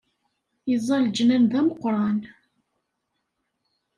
Yeẓẓa leǧnan d ameqqran